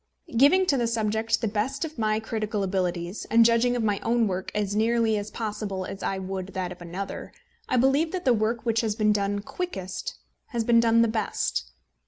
Giving to the subject the best of my critical abilities, and judging of my own work as nearly as possible as I would that of another, I believe that the work which has been done quickest has been done the best.